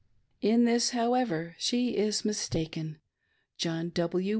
In this, however, she is mistaken ;— John W.